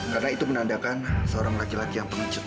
karena itu menandakan seorang laki laki yang pengecut